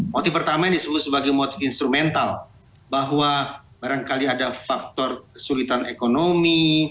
motif pertama yang disebut sebagai motif instrumental bahwa barangkali ada faktor kesulitan ekonomi